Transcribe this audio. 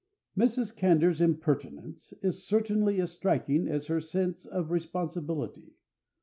Mrs. Candour's impertinence is certainly as striking as her sense of responsibility.